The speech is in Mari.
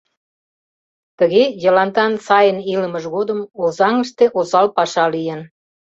Тыге Йыландан сайын илымыж годым Озаҥыште осал паша лийын.